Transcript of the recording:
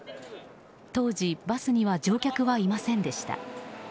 当時、バスには乗客はいませんでした。